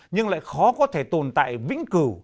nhưng lại khó có thể tồn tại vĩnh cửu